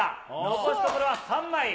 残すところは３枚。